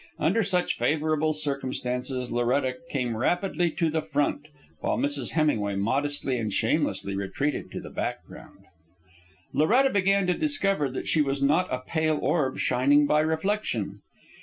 Under such favourable circumstances Loretta came rapidly to the front, while Mrs. Hemingway modestly and shamelessly retreated into the background. Loretta began to discover that she was not a pale orb shining by reflection.